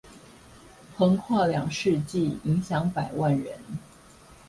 橫跨兩世紀，影響百萬人